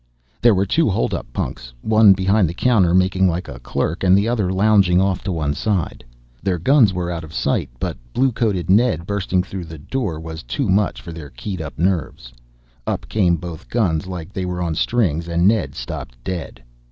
There were two holdup punks, one behind the counter making like a clerk and the other lounging off to the side. Their guns were out of sight, but blue coated Ned busting through the door like that was too much for their keyed up nerves. Up came both guns like they were on strings and Ned stopped dead.